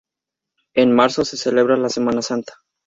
En marzo se celebra la Semana Santa.